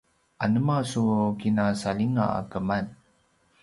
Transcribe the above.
anema su kina saljinga a keman?